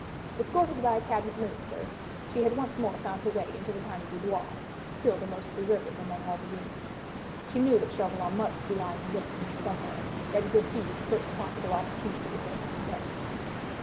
Escorted by a Cabinet Minister, she had once more found her way to the tiny boudoir, still the most deserted among all the rooms. She knew that Chauvelin must be lying in wait for her somewhere, ready to seize the first possible opportunity for a tête à tête.